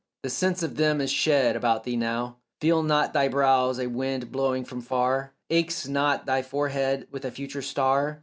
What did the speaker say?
The sense of them is shed about thee now: Feel not thy brows a wind blowing from far? Aches not thy forehead with a future star?